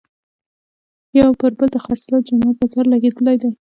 یو پر بل د خرڅلاو جمعه بازار لګېدلی دی.